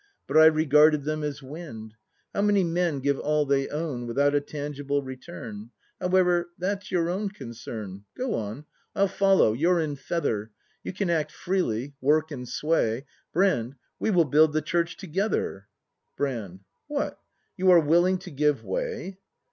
But I regarded them as wind. How many men give all they own Without a tangible return ? However, that's your own concern. — Go on! I'll follow. You're in feather, You can act freely, work and sway. — Brand, we will build the Church together ! Brand. What, you are willing to give way.?